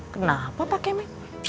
kenapa pak kemet